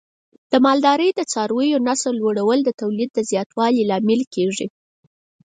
د مالدارۍ د څارویو نسل لوړول د تولید زیاتوالي لامل کېږي.